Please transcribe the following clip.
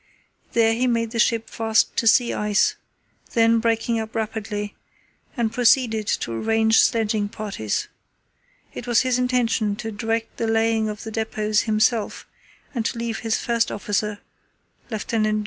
There he made the ship fast to sea ice, then breaking up rapidly, and proceeded to arrange sledging parties. It was his intention to direct the laying of the depots himself and to leave his first officer, Lieut.